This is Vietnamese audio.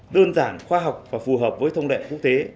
đơn giản khoa học và phù hợp với thông lệ quốc tế